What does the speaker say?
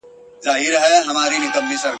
د کور د څاروو او د ګلدانی د ګلانو په څېر ايښي وي